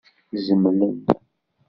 Zemlen?